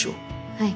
はい。